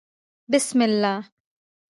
بسم الله